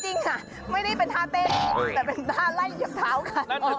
จริงค่ะไม่ได้เป็นท่าเต้นแต่เป็นท่าไล่เหยียบเท้าค่ะ